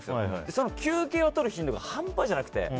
その休憩をとる頻度が半端じゃなくて。